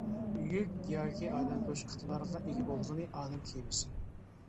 يۈك ياكى ئادەم توشۇش ئىقتىدارىغا ئىگە بولغىنى-ئالەم كېمىسى.